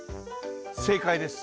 正解です。